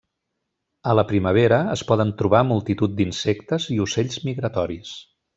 A la primavera es poden trobar multitud d'insectes i ocells migratoris.